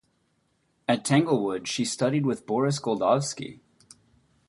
At Tanglewood she studied with Boris Goldovsky.